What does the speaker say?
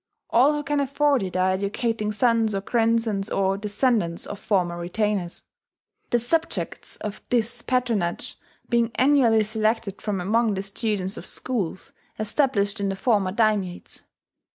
All who can afford it are educating sons or grandsons or descendants of former retainers; the subjects of this patronage being annually selected from among the students of schools established in the former daimiates.